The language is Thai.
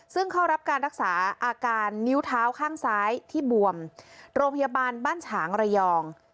ซึ่งเข้ารับการรักษาอาการนิ้วเท้าข้างซ้ายที่บวมโรงพยาบาลบ้านฉางระยอง